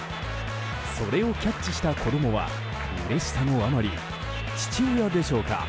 それをキャッチした子供はうれしさのあまり父親でしょうか